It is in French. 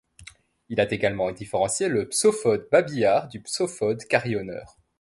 Il a également différencié le Psophode babillard du Psophode carillonneur.